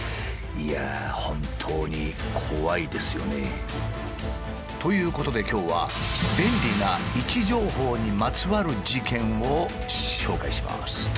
いやあ本当に怖いですよね。ということで今日は便利な位置情報にまつわる事件を紹介します。